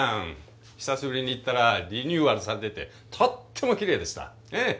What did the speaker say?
久しぶりに行ったらリニューアルされていてとってもきれいでした。